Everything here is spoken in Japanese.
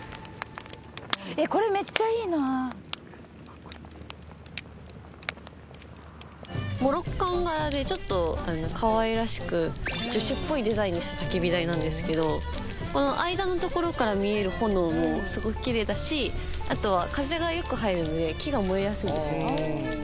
これメッチャいいなモロッカン柄でちょっと可愛らしく女子っぽいデザインにした焚き火台なんですけどこの間のところから見える炎もすごくキレイだしあとは風がよく入るので木が燃えやすいんですよ